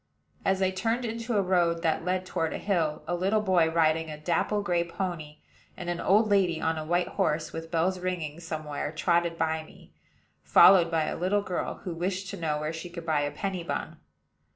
As I turned into a road that led toward a hill, a little boy, riding a dapple gray pony, and an old lady on a white horse, with bells ringing somewhere, trotted by me, followed by a little girl, who wished to know where she could buy a penny bun.